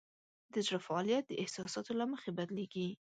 د زړه فعالیت د احساساتو له مخې بدلېږي.